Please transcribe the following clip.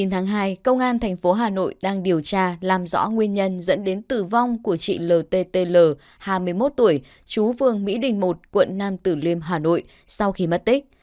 ngày một mươi chín tháng hai công an thành phố hà nội đang điều tra làm rõ nguyên nhân dẫn đến tử vong của chị lttl hai mươi một tuổi chú vương mỹ đình i quận nam tử liêm hà nội sau khi mất tích